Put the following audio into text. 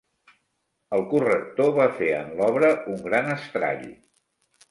El corrector va fer en l'obra un gran estrall.